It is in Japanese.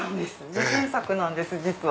自信作なんです実は。